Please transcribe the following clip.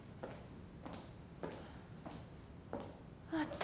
あった。